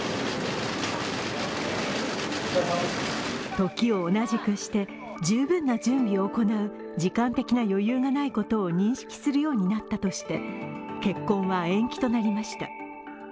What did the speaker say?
時を同じくして十分な準備を行う時間的余裕がないことを認識するようになったとして結婚は延期となりました。